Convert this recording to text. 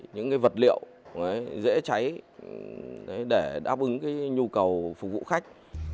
những vật liệu dễ cháy để đáp ứng nhu cầu phục vụ khách